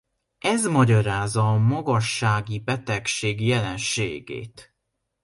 Ez magyarázza a magassági betegség jelenségét.